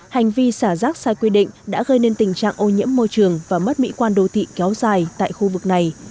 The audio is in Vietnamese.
hành vi xả rác sai quy định đã gây nên tình trạng ô nhiễm môi trường và mất mỹ quan đô thị kéo dài tại khu vực này